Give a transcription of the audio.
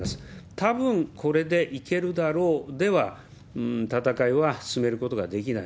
たぶん、これでいけるだろうでは、戦いは進めることができない。